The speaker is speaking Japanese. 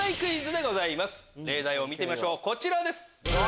例題を見てみましょうこちらです。